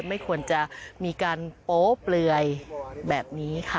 ไม่ควรจะมีการโป๊เปลือยแบบนี้ค่ะ